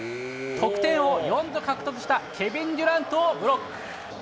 得点王を４度獲得したケビン・デュラントをブロック。